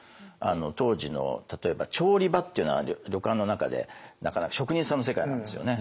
当時の例えば調理場っていうのは旅館の中で職人さんの世界なんですよね。